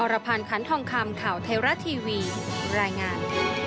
อรพาณคันทองคำข่าวเทราะทีวีรายงาน